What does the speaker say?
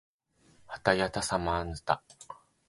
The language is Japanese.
はたやたさまぬた